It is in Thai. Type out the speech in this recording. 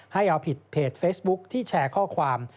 ให้เอาผิดเพจเฟซบุ๊คที่แชร์ข้อความ